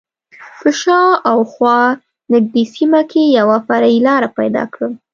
په شا او خوا نږدې سیمه کې یوه فرعي لاره پیدا کړم.